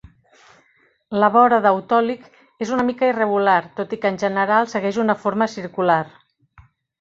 La vora d'Autòlic és una mica irregular, tot i que en general segueix una forma circular.